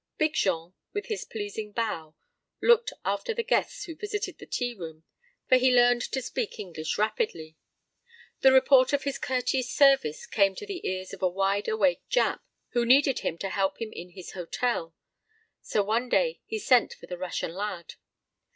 Big Jean with his pleasing bow looked after the guests who visited the Tea Room, for he learned to speak English rapidly. The report of his courteous service came to the ears of a wide awake Jap who needed him to help him in his hotel. So one day he sent for the Russian lad.